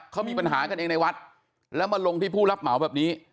เขามีปัญหากันเองในวัดแล้วมาลงที่ผู้รับเหมาแบบนี้